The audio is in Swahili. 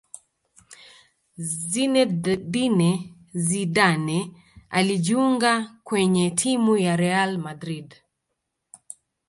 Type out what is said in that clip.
zinedine Zidane alijiunga kwenye timu ya real madrid